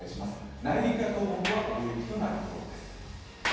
内陸や東北は大雪となりそうです。